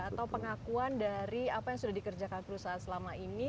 atau pengakuan dari apa yang sudah dikerjakan perusahaan selama ini